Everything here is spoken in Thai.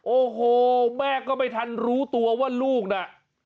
โอ้โหแม่ก็ไม่ทันรู้ตัวว่าลูกน่ะ